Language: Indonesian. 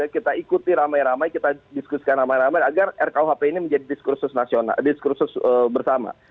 kita ikuti ramai ramai kita diskusikan ramai ramai agar rkuhp ini menjadi diskursus bersama